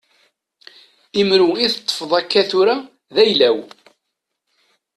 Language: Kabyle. Imru i teṭṭfeḍ akka tura d ayla-w.